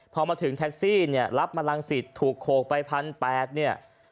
พอมาถึงแท็กซี่เนี่ยรับมารังสิตถูกโขกไป๑๘๐๐เนี่ย